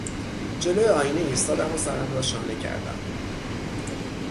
جلو آینه ایستادم و سرم را شانه کردم.